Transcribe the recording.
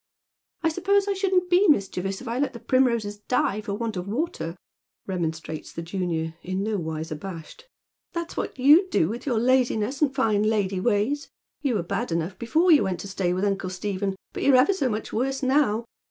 " 1 suppose I shouldn't be mischievous if I let the primroses die for want of water," remonstrates the junioi", in no wise abashed. " That's what you'd do, with your laziness and fine • lady ways. You were bad enough before you went to stay with uncle Stephen, but you're ever so much worse now.